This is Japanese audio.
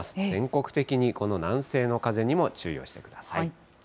全国的にこの南西の風にも注意をしてください。